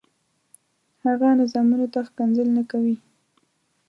هغه نظامونو ته ښکنځل نه کوي.